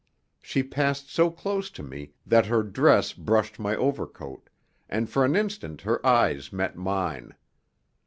She passed so close to me that her dress brushed my overcoat, and for an instant her eyes met mine.